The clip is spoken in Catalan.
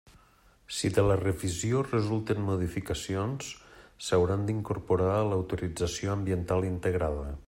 Si de la revisió resulten modificacions, s'hauran d'incorporar a l'autorització ambiental integrada.